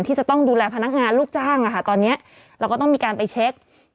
ที่จะต้องดูแลพนักงานลูกจ้างตอนนี้เราก็ต้องมีการไปเช็ค